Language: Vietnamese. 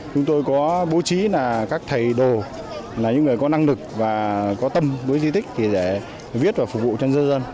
chúng tôi có bố trí các thầy đồ là những người có năng lực và có tâm với di tích để viết và phục vụ cho dân dân